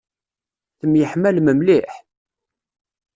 Temyiḥmalem mliḥ?